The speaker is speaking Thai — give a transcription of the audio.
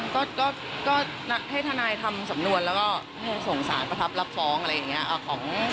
ก็ให้ทนายทำสำนวนแล้วก็ส่งสารประทับรับฟ้องอะไรอย่างนี้